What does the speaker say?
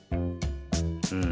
うん。